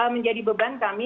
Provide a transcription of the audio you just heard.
menjadi beban kami